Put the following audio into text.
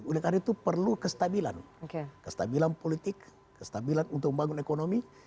oleh karena itu perlu kestabilan kestabilan politik kestabilan untuk membangun ekonomi